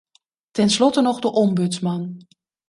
Tenslotte nog de ombudsman.